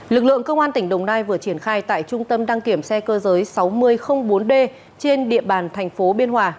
lực lượng công an tỉnh đồng nai vừa triển khai tại trung tâm đăng kiểm xe cơ giới sáu nghìn bốn d trên địa bàn thành phố biên hòa